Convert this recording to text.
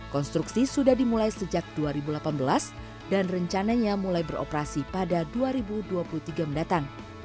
konstruksi sudah dimulai sejak dua ribu delapan belas dan rencananya mulai beroperasi pada dua ribu dua puluh tiga mendatang